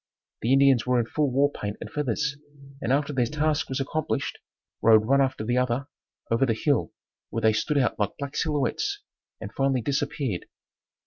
The Indians were in full war paint and feathers and after their task was accomplished, rode one after the other over the hill where they stood out like black silhouettes, and finally disappeared.